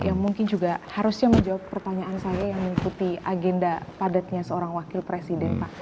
yang mungkin juga harusnya menjawab pertanyaan saya yang mengikuti agenda padatnya seorang wakil presiden pak